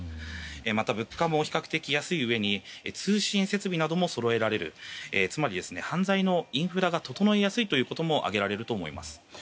また、物価も比較的安いうえに通信設備などもそろえられるつまり、犯罪のインフラが整いやすいということも挙げられると思います。